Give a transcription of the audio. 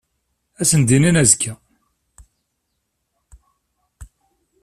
Ad sen-d-inin azekka.